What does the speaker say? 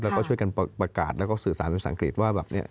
แล้วก็ช่วยกันประกาศแล้วก็สื่อสารภาษาอังกฤษว่าแบบเนี่ย